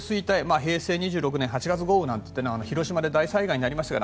平成２６年８月豪雨なんて言って広島で大災害になりましたけど